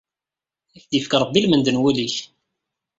Ad k-d-yefk Ṛebbi lmend n wul-ik.